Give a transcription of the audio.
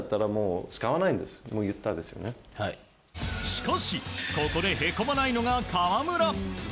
しかしここでへこまないのが河村。